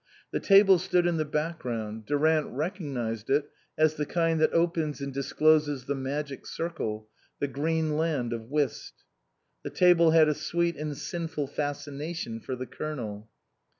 The table stood in the background ; Durant recognised it as the kind that opens and discloses the magic circle, the green land of whist. The table had a sweet and sinful fascination for the Colonel.